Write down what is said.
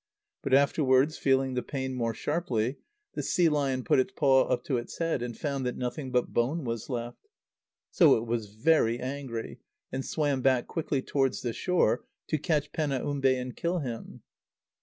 But afterwards, feeling the pain more sharply, the sea lion put its paw up to its head, and found that nothing but bone was left. So it was very angry, and swam back quickly towards the shore, to catch Penaumbe and kill him.